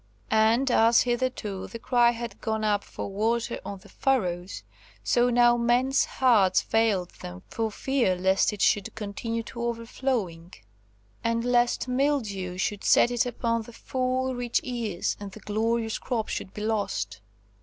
And as hitherto the cry had gone up for water on the furrows, so now men's hearts failed them for fear lest it should continue to overflowing, and lest mildew should set in upon the full, rich ears, and the glorious crops should be lost.